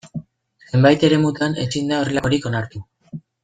Zenbait eremutan ezin da horrelakorik onartu.